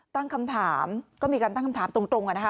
ตั้งคำถามก็มีการตั้งคำถามตรงนะคะ